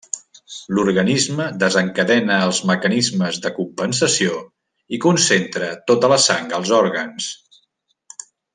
L'organisme desencadena els mecanismes de compensació i concentra tota la sang als òrgans.